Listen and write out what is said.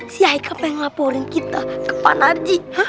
si aika pengen ngelaporin kita ke panarji